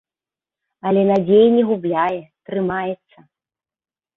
Але надзеі не губляе, трымаецца.